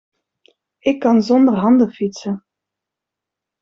Ik kan zonder handen fietsen.